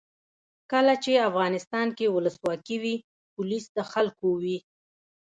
کله چې افغانستان کې ولسواکي وي پولیس د خلکو وي.